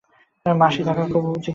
মাসি থাকাও খুব উচিত ছিল।